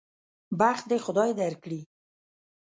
بخت دې خدای درکړي.